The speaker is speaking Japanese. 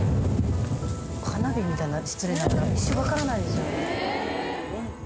花火みたいな失礼ながら一瞬わからないですよ